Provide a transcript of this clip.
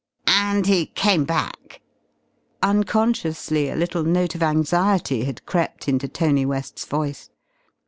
"And he came back?" Unconsciously a little note of anxiety had crept into Tony West's voice.